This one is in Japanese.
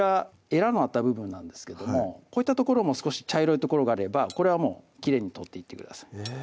えらのあった部分なんですけどもこういった所も少し茶色い所があればこれはもうきれいに取っていってください